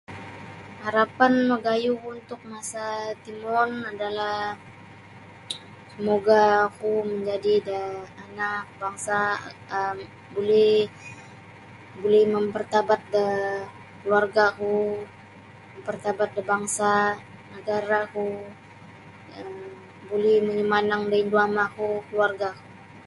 Harapan magayuh untuk masa timoon adalah semoga oku manjadi da anak bangsa um buli buli mempertabat da keluargaku mempertabat da bangsa nagaraku um buli manyumanang da indu yamaku keluargaku.